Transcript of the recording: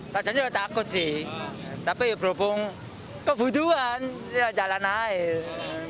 saya jadi takut sih tapi berhubung kebutuhan ya jalan air